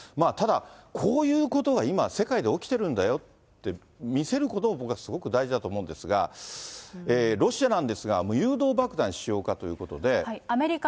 ただ、こういうことが今、世界で起きてるんだよって、見せることも僕はすごく大事だと思うんですが、ロシアなんですが、無誘導爆弾使用かということもあるんですが。